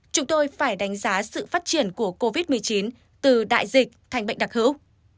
chúng tôi phải đánh giá sự phát triển của covid một mươi chín từ đại dịch thành bệnh đặc hữu